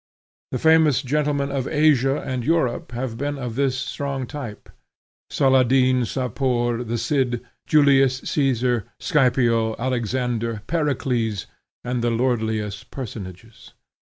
The famous gentlemen of Asia and Europe have been of this strong type; Saladin, Sapor, the Cid, Julius Caesar, Scipio, Alexander, Pericles, and the lordliest personages.